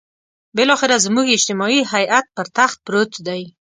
بالاخره زموږ اجتماعي حيات پر تخت پروت دی.